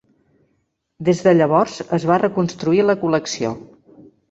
Des de llavors es va reconstruir la col·lecció.